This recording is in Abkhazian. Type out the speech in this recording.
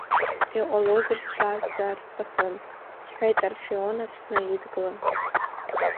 Иҟалозар сшәазҵаар сҭахын, – сҳәеит Орфионов снаидгылан.